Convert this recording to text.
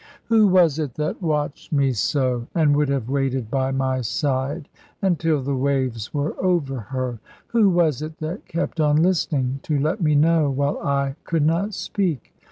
Who was it that watched me so, and would have waited by my side, until the waves were over her? Who was it that kept on listening, to let me know, while I could not speak?